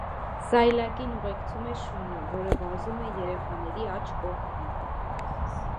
Սայլակին ուղեկցում է շունը, որը վազում է երեխաների աջ կողմում։